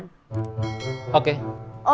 terus dia bawa ke tukang sablon